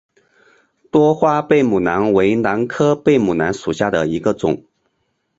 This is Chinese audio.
多花贝母兰为兰科贝母兰属下的一个种。